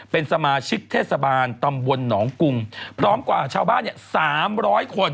เป็นสมาชิกเทศบาลตำบลหนองกรุงพร้อมกว่าชาวบ้าน๓๐๐คน